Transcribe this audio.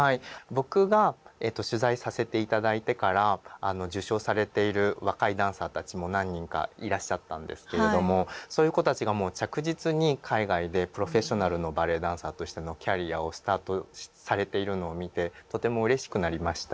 僕が取材させて頂いてから受賞されている若いダンサーたちも何人かいらっしゃったんですけれどもそういう子たちがもう着実に海外でプロフェッショナルのバレエダンサーとしてのキャリアをスタートされているのを見てとてもうれしくなりました。